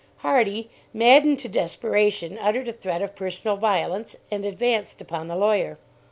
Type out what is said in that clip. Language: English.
Hardy, maddened to desperation, uttered a threat of personal violence, and advanced upon the lawyer.